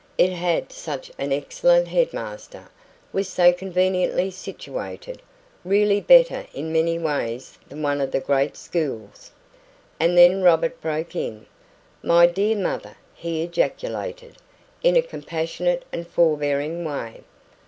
It had such an excellent headmaster, was so conveniently situated really better in many ways than one of the great schools And then Robert broke in. "My dear mother!" he ejaculated, in a compassionate and forbearing way.